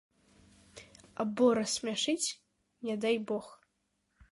Або рассмяшыць, не дай бог.